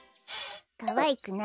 かわいくない。